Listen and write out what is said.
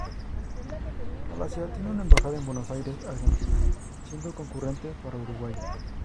Malasia tiene una embajada en Buenos Aires, Argentina, siendo concurrente para Uruguay.